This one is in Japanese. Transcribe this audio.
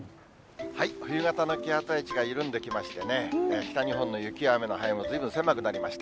冬型の気圧配置が緩んできましてね、北日本の雪や雨の範囲もずいぶん狭くなりました。